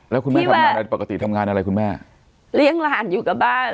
แล้วคุณแม่ทำงานอะไรปกติทำงานอะไรคุณแม่เลี้ยงหลานอยู่กับบ้าน